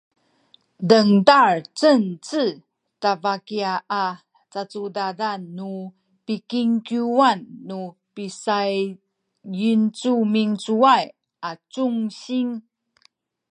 dengtal Cengce tabakiaya a cacudadan nu pikingkiwan tu misayincumincuay a congsin